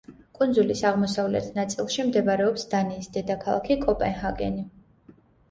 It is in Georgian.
კუნძულის აღმოსავლეთ ნაწილში მდებარეობს დანიის დედაქალაქი კოპენჰაგენი.